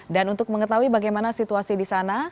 dan untuk mengetahui bagaimana situasi di sana